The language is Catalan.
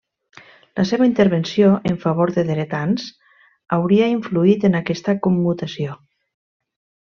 La seva intervenció en favor de dretans hauria influït en aquesta commutació.